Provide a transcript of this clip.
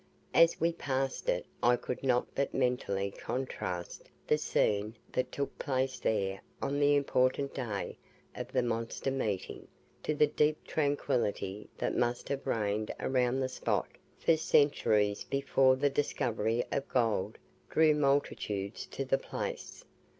As we passed it I could not but mentally contrast the scene that took place there on the important day of the monster meeting, to the deep tranquillity that must have reigned around the spot for centuries before the discovery of gold drew multitudes to the place.